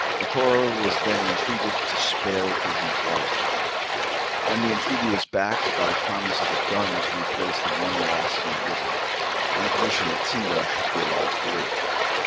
Macora was then entreated to spare the prisoner's life, and the entreaty was backed by the promise of a gun to replace the one lost in the river, on condition that Sindo should be allowed to live.